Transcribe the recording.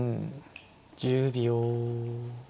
１０秒。